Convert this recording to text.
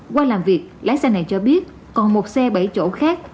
qua làm việc lái xe này cho biết còn một xe bảy chỗ khác